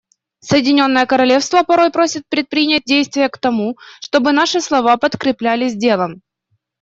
Соединенное Королевство порой просят предпринять действия к тому, чтобы наши слова подкреплялись делом.